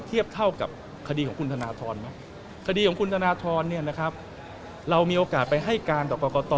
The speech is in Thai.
เทียบเท่ากับคดีของคุณธนทรคดีของคุณธนทรเรามีโอกาสไปให้การกรกต